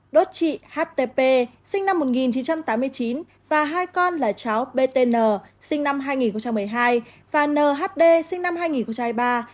đốt chị htp sinh năm một nghìn chín trăm tám mươi chín và hai con là cháu btn sinh năm hai nghìn một mươi hai và nhd sinh năm hai nghìn ba